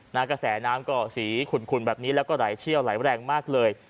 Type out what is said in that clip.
กระแสน้ำก็สีขุ่นแบบนี้แล้วก็ไหลเชี่ยวไหลแรงมากเลย